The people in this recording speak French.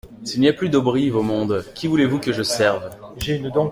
S'il n'y a plus d'Auberive au monde, qui voulez-vous que je serve ?